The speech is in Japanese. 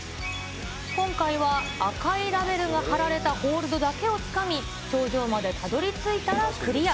今回は、赤いラベルが貼られたホールドだけをつかみ、頂上までたどりついたらクリア。